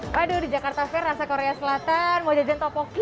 waduh di jakarta fair rasa korea selatan mau jajan topoki